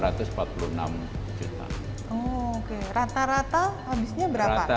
rata rata habisnya berapa